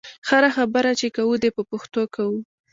هره خبره چې کوو دې په پښتو کوو.